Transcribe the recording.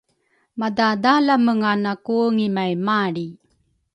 Madadalamenga naku ngimaimalri